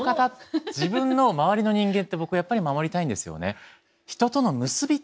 自分の周りの人間って僕やっぱり守りたいんですよね。